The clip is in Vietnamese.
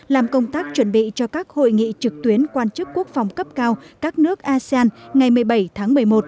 làm công tác chuẩn bị cho các hội nghị trực tuyến quan chức quốc phòng cấp cao các nước asean ngày một mươi bảy tháng một mươi một